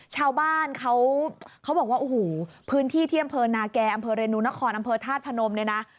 ชาวบ้านเขาบอกว่าโอ้โหพื้นที่ที่อำเภอนาแก่อำเภอเรนูนครอำเภอธาตุพนมเนี่ยนะ